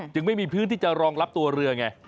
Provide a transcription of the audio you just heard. ไม่มีพื้นที่จะรองรับตัวเรือไง